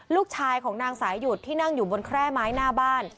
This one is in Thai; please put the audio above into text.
ลูกชายของนางสายหยุดที่นั่งอยู่บนแคร่ไม้หน้าบ้าน